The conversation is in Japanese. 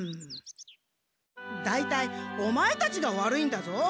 だいたいオマエたちが悪いんだぞ。